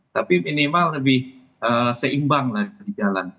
tapi minimal lebih seimbang lah di jalan